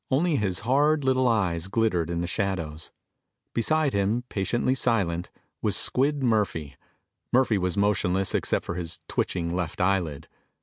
Only his hard little eyes glittered in the shadows. Beside him, patiently silent, was Squid Murphy. Murphy was motionless except for his twitching left eyelid.